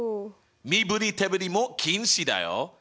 身振り手振りも禁止だよ！